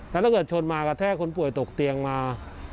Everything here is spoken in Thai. แล้วถ้าเกิดชนมากระแทกคนป่วยตกเตียงมา